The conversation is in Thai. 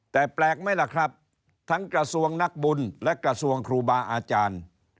แต่แปลกไหมล่ะครับทั้งกระทรวงนักบุญและกระทรวงครูบาอาจารย์